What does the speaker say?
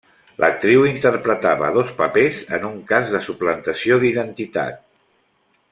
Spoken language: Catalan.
L’actriu interpretava dos papers en un cas de suplantació d’identitat.